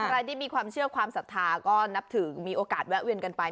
ใครที่มีความเชื่อความศรัทธาก็นับถือมีโอกาสแวะเวียนกันไป